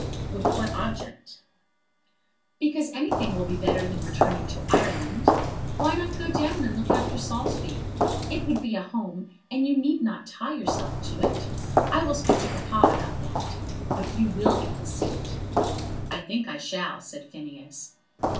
"With what object?" "Because anything will be better than returning to Ireland. Why not go down and look after Saulsby? It would be a home, and you need not tie yourself to it. I will speak to Papa about that. But you will get the seat." "I think I shall," said Phineas.